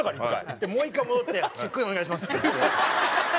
でもう１回戻って「チェックインお願いします」って言って。